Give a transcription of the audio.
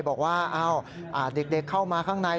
บอกว่าเด็กเข้ามาข้างใน